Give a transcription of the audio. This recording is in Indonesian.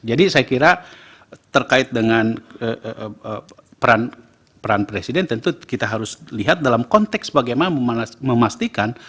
jadi saya kira terkait dengan peran presiden tentu kita harus lihat dalam konteks bagaimana memastikan